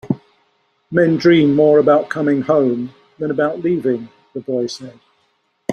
"Men dream more about coming home than about leaving," the boy said.